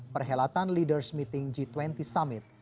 perhelatan leaders meeting g dua puluh summit